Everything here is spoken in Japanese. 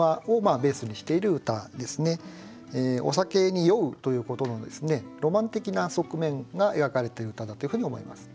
お酒に酔うということのロマン的な側面が描かれている歌だというふうに思います。